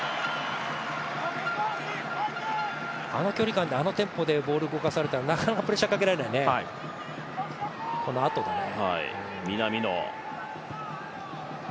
あの距離感とテンポでボールを動かされたらなかなかプレッシャーかけられないね、このあとだね。